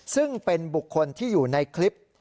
ซึ่งเป็นบุคคลที่อยู่ในคลิป